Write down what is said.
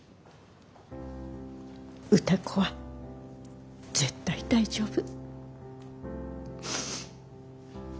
歌子は絶対大丈夫。